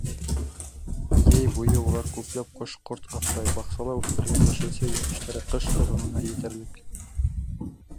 Йәй буйы улар күпләп ҡош-ҡорт аҫрай, баҡсала үҫтергән йәшелсә-емештәре ҡыш оҙонона етерлек.